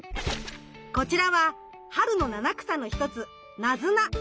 こちらは春の七草の一つナズナ。